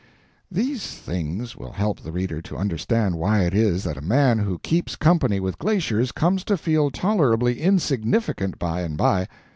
These things will help the reader to understand why it is that a man who keeps company with glaciers comes to feel tolerably insignificant by and by.